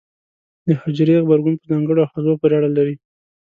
د حجرې غبرګون په ځانګړو آخذو پورې اړه لري.